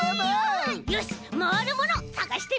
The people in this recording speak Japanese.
よしまわるものさがしてみよう！